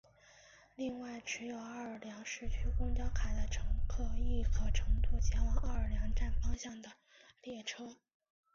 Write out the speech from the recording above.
另外持有奥尔良市区公交卡的乘客亦可乘坐前往奥尔良站方向的列车。